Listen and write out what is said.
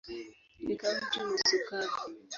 Ni kaunti nusu kavu.